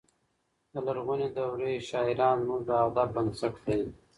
د لرغونې دورې شاعران زموږ د ادب بنسټ دی.